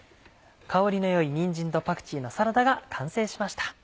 香りの良いにんじんとパクチーのサラダが完成しました。